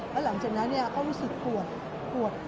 แล้วหลังจากนั้นเขารู้สึกปวดปวด